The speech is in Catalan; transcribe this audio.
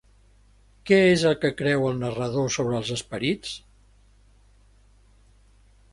Què és el que creu el narrador sobre els esperits?